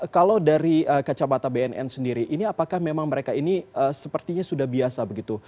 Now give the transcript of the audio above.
kalau dari kacamata bnn sendiri ini apakah memang mereka ini sepertinya sudah biasa begitu